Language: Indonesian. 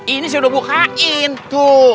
ini sudah bukain tuh